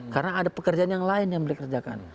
karena ada pekerjaan yang lain yang dikerjakan